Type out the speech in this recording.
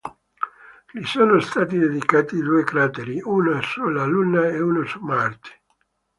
Gli sono stati dedicati due crateri, uno sulla Luna e uno su Marte.